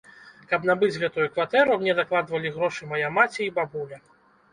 Каб набыць гэтую кватэру, мне дакладвалі грошы мая маці і бабуля.